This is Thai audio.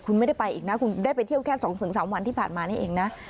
คุณไม่ได้ไปอีกนะคุณได้ไปเที่ยวแค่๒๓วันที่ผ่านมานี่เองนะ